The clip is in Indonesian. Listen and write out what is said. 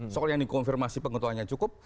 soal yang dikonfirmasi pengetahuannya cukup